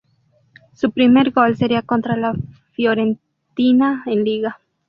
Su primer gol sería contra la Fiorentina en liga.